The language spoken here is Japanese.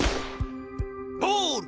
ボール！